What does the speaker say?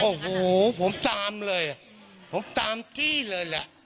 โอ้โหผมตามเลยผมตามจี้เลยแหละ